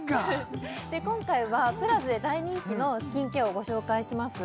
今回はＰＬＡＺＡで大人気のスキンケアをご紹介します